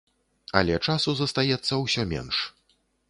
Але часу застаецца ўсё менш.